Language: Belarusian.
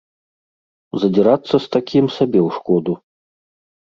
Задзірацца з такім сабе ў шкоду.